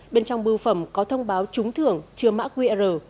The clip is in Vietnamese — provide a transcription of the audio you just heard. bên trong bưu phẩm có thông báo trúng thưởng trưa mã qr